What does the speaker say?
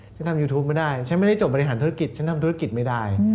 ทำยูทูปไม่ได้ฉันไม่ได้จบบริหารธุรกิจฉันทำธุรกิจไม่ได้